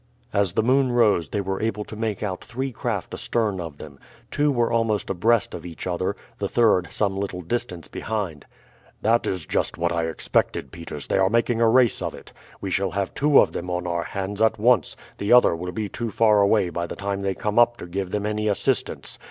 As the moon rose they were able to make out three craft astern of them. Two were almost abreast of each other, the third some little distance behind. "That is just what I expected, Peters; they are making a race of it. We shall have two of them on our hands at once; the other will be too far away by the time they come up to give them any assistance.